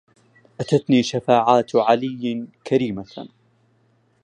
أتتني شفاعات علي كريمة